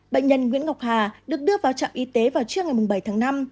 bệnh nhân nguyễn ngọc hà được đưa vào trạm y tế vào trước ngày bảy tháng năm